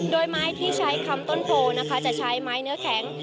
โดยไม้ที่ใช้คำต้นโพนะคะจะใช้ไม้เนื้อแข็ง